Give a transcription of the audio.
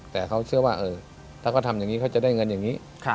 แต่เขาเชื่อว่าถ้าเขาทำอย่างนี้เขาจะได้เงินอย่างนี้